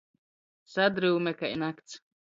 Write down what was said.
Sadryume kai nakts.